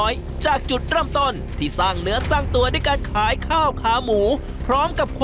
ตกชื่นตรงนั้นอ่ะอืม